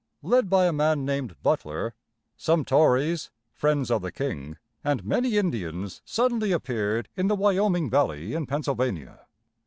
Led by a man named Butler, some Tories friends of the king and many Indians suddenly appeared in the Wy o´ming Valley, in Pennsylvania.